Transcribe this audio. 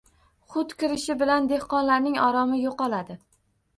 Hut kirishi bilan dehqonlarning oromi yoʻqoladi.